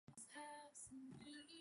They have two daughters, Kate and Emily.